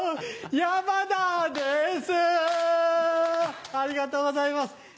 山田ですありがとうございます。